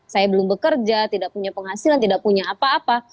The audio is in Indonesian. saya belum bekerja tidak punya penghasilan tidak punya apa apa